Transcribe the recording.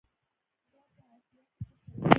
دا په عاشورا کې ترسره کیږي.